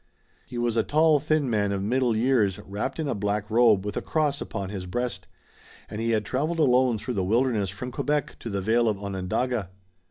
He was a tall, thin man of middle years, wrapped in a black robe with a cross upon his breast, and he had traveled alone through the wilderness from Quebec to the vale of Onondaga.